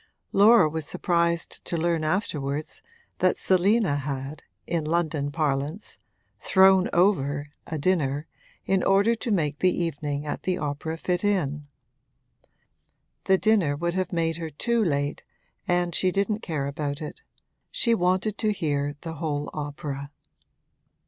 Laura was surprised to learn afterwards that Selina had, in London parlance, 'thrown over' a dinner in order to make the evening at the opera fit in. The dinner would have made her too late, and she didn't care about it: she wanted to hear the whole opera.